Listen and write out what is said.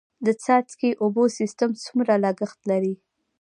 د څاڅکي اوبو سیستم څومره لګښت لري؟